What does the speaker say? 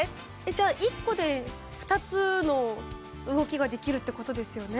じゃあ１個で２つの動きができるってことですよね？